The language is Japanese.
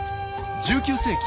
１９世紀